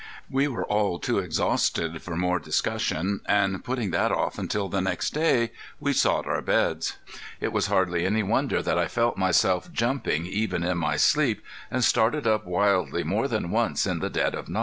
We were all too exhausted for more discussion and putting that off until the next day we sought our beds. It was hardly any wonder that I felt myself jumping even in my sleep, and started up wildly more than once in the dead of night.